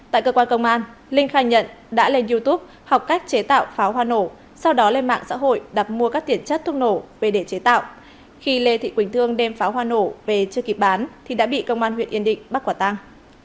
tại cơ quan công an linh khai nhận đã lên youtube học cách chế tạo pháo hoa nổ sau đó lên mạng xã hội đặt mua các tiền chất thuốc nổ về để chế tạo khi lê thị quỳnh thương đem pháo hoa nổ về chưa kịp bán thì đã bị công an huyện yên định bắt quả tăng